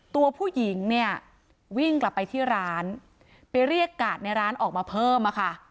ตัวผู้หญิงเนี่ยวิ่งกลับไปที่ร้านไปเรียกกาดในร้านออกมาเพิ่มอะค่ะ